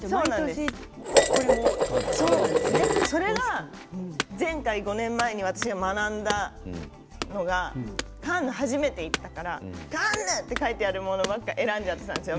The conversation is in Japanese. それが前回、５年前に私が学んだのがカンヌに初めて行ったからカンヌって書いてあるものばかり選んだんですよ